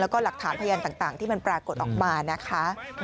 แล้วก็หลักฐานพยานต่างที่มันปรากฏออกมานะคะ